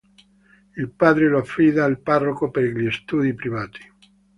Il padre lo affida al parroco per gli studi privati.